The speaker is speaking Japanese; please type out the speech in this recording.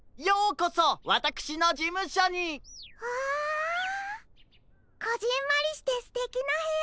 こぢんまりしてすてきなへや！